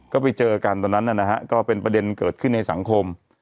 ก็ไปเจอกันตอนนั้นนะฮะก็เป็นประเด็นเกิดขึ้นในสังคม